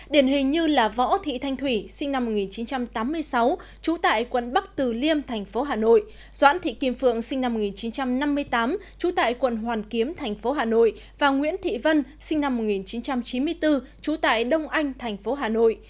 điển hình như là võ thị thanh thủy sinh năm một nghìn chín trăm tám mươi sáu trú tại quận bắc từ liêm thành phố hà nội doãn thị kim phượng sinh năm một nghìn chín trăm năm mươi tám trú tại quận hoàn kiếm thành phố hà nội và nguyễn thị vân sinh năm một nghìn chín trăm chín mươi bốn trú tại đông anh thành phố hà nội